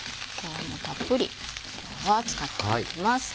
たっぷり今日は使っていきます。